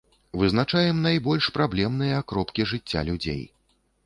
Вызначаем найбольш праблемныя кропкі жыцця людзей.